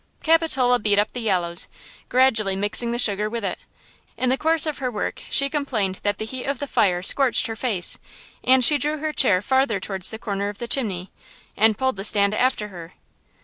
Capitola beat up the yellows, gradually mixing the sugar with it. In the course of her work she complained that the heat of the fire scorched her face, and she drew her chair farther towards the corner of the chimney, and pulled the stand after her.